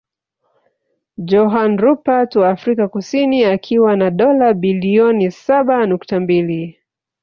Johann Rupert wa Afrika Kusini akiwa na dola bilioni saba nukta mbili